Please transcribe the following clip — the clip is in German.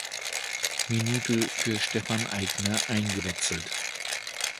Minute für Stefan Aigner eingewechselt.